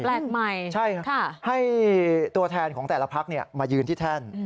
แบบใหม่ใช่ครับให้ตัวแทนของแต่ละพักมายืนที่แท่น